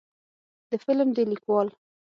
د فلم د لیکوال